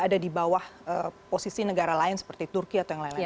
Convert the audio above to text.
ada di bawah posisi negara lain seperti turki atau yang lain lain